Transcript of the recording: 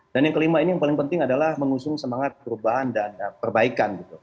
dan yang kelima ini yang paling penting adalah mengusung semangat perubahan dan perbaikan